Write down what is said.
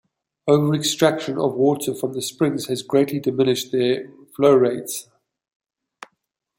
Over-extraction of water from the springs has greatly diminished their flow rates.